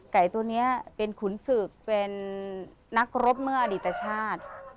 ไก่ตัวนี้เป็นขุนศึกเป็นนักรบเมื่ออดีตชาติ